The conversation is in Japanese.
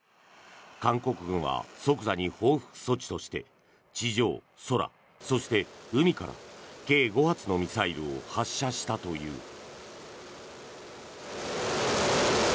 韓国軍は即座に報復措置として地上、空、そして海から計５発のミサイルを発射したという。